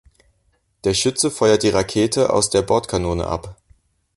Der Schütze feuerte die Rakete aus der Bordkanone ab.